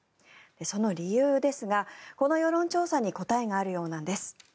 その理由ですが、この世論調査に答えがあるようなんです。